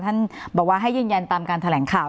ท่านบอกว่าให้ยืนยันตามการแถลงข่าว